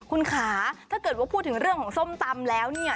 คุณขาถ้าเกิดว่าพูดถึงเรื่องของส้มตำแล้วเนี่ย